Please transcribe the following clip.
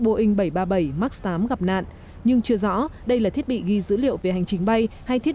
boeing bảy trăm ba mươi bảy max tám gặp nạn nhưng chưa rõ đây là thiết bị ghi dữ liệu về hành trình bay hay thiết